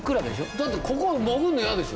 だってここを上るの嫌でしょ。